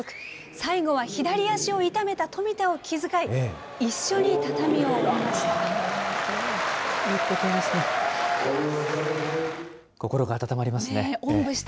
最後は左足を痛めた冨田を気遣い、一緒に畳を降りました。